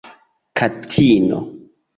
katino